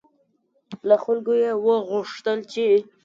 له خلکو یې وغوښتل چې